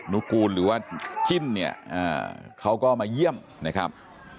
นุกูลหรือว่าจิ้นเนี่ยเขาก็มาเยี่ยมนะครับ